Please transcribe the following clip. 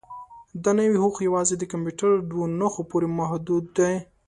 دا نوي هوښ یوازې د کمپیوټر دوو نښو پورې محدود دی.